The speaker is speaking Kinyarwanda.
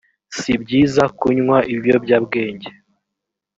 si byiza kunywa ibiyobyabwenge